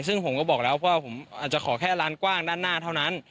ซึ่งผมก็บอกแล้วว่าผมอาจจะขอแค่ร้านกว้างด้านหน้าเท่านั้น